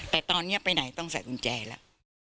แต่ตอนนี้ไปไหนต้องใส่กุญแจแล้ว